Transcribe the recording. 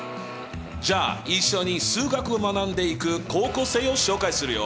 じゃあ一緒に数学を学んでいく高校生を紹介するよ。